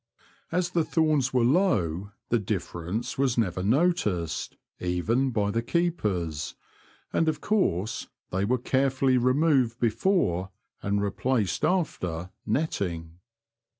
As the thorns were low the dif ference was never noticed, even by the keepers, and, of course, they were carefully removed before, and replaced after, netting.